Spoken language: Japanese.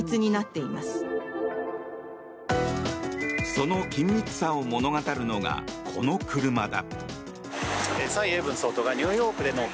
その緊密さを物語るのがこの車だ。